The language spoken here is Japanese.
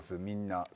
みんな。